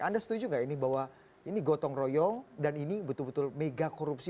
anda setuju nggak ini bahwa ini gotong royong dan ini betul betul mega korupsi